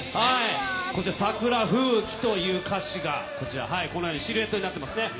サクラ吹雪という歌詞がこのようにシルエットになっています。